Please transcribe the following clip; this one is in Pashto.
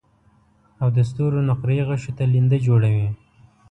او د ستورو نقره يي غشو ته لینده جوړوي